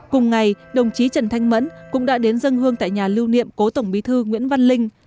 cùng ngày đồng chí trần thanh mẫn cũng đã đến dân hương tại nhà lưu niệm cố tổng bí thư nguyễn văn linh